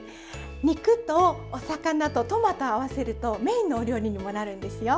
肉とお魚とトマトを合わせるとメインのお料理にもなるんですよ。